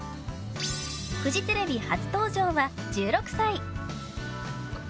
フジテレビ初登場は１６歳。